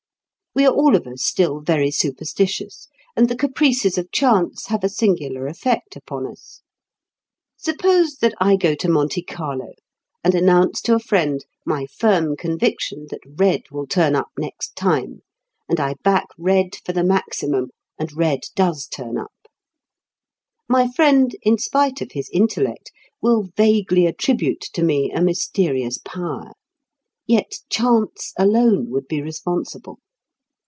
We are all of us still very superstitious, and the caprices of chance have a singular effect upon us. Suppose that I go to Monte Carlo and announce to a friend my firm conviction that red will turn up next time, and I back red for the maximum and red does turn up; my friend, in spite of his intellect, will vaguely attribute to me a mysterious power. Yet chance alone would be responsible.